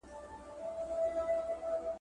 زه به سبا کالي وچوم وم،